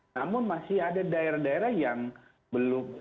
namun masih ada daerah daerah yang belum